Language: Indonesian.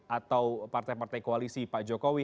atau partai partai koalisi pak jokowi